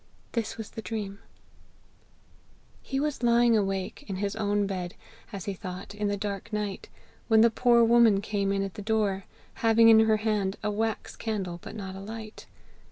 This was the dream: "He was lying awake in his own bed, as he thought, in the dark night, when the poor woman came in at the door, having in her hand a wax candle, but not alight.